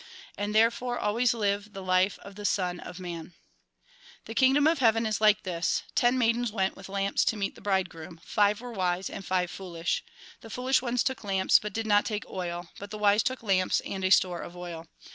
And therefore always live the life of the Son of Man. " The kingdom of heaven is like this. Ten maidens went with lamps to meet the bridegroom. Five were wise and five foolish. The foolish ones took lamps but did not take oil ; but the wise took lamps and a store of oil.